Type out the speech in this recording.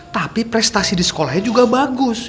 tapi prestasi di sekolahnya juga bagus